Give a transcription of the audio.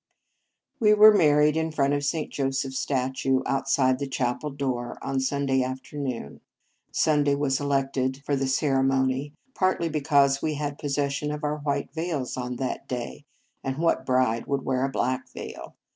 We were married in front of St. Joseph s statue, outside the chapel door, on Sunday afternoon. Sunday was selected for the ceremony, partly because we had possession of our white veils on that day, and what bride would wear a black veil!